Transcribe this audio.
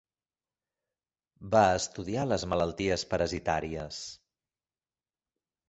Va estudiar les malalties parasitàries.